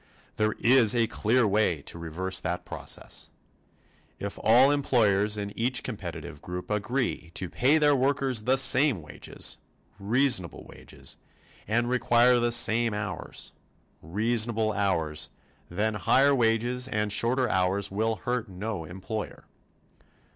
There is a clear way to reverse that process: If all employers in each competitive group agree to pay their workers the same wages reasonable wages and require the same hours reasonable hours then higher wages and shorter hours will hurt no employer.